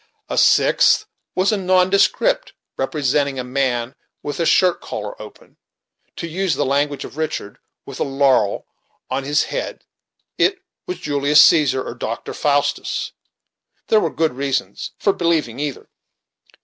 A sixth was a nondescript, representing "a man with a shirt collar open," to use the language of Richard, "with a laurel on his head it was Julius Caesar or Dr. Faustus; there were good reasons for believing either."